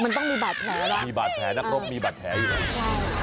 มันต้องมีบาดแผลนะมีบาดแผลนักรบมีบาดแผลอยู่แล้วใช่